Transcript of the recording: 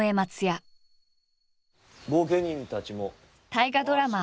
大河ドラマ